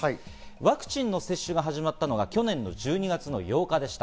ワクチンの接種が始まったのが去年の１２月の８日でした。